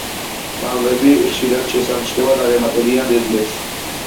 მამლები შესამჩნევად აღემატებიან დედლებს.